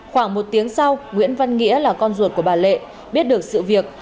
khoảng một tiếng sau nguyễn văn nghĩa là con ruột của bà lệ biết được sự việc